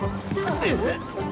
えっ？